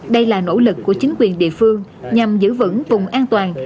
đây là nỗ lực của chính quyền địa phương nhằm giữ vững vùng an toàn